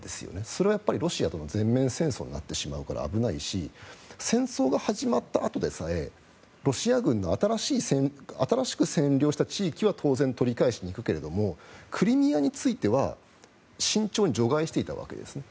それはロシアとの全面戦争になってしまうから危ないし戦争が始まったあとでさえロシア軍の新しく占領した地域は当然、取り返しに行くけれどクリミアについては慎重に除外していたわけですね。